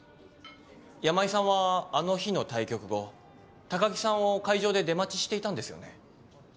山井さんはあの日の対局後高城さんを会場で出待ちしていたんですよね？